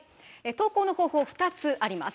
投稿の方法は２つあります。